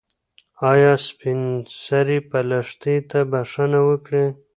ایا سپین سرې به لښتې ته بښنه وکړي؟